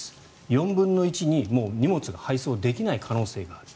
４分の１に荷物が配送できない可能性がある。